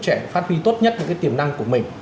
trẻ phát huy tốt nhất những cái tiềm năng của mình